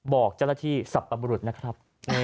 บอกเจ้าหน้าที่สรรพบรุษนะครับ